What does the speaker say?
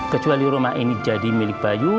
kecuali rumah ini jadi milik bayu